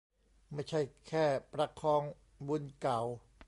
ไม่ใช่แค่ประคองบุญเก่า